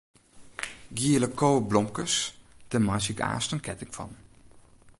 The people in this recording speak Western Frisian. Giele koweblomkes, dêr meitsje ik aanst in ketting fan.